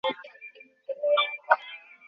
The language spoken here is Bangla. এটা তো দুই-চাকা মাত্র।